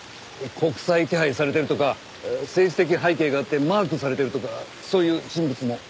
国際手配されてるとか政治的背景があってマークされてるとかそういう人物も？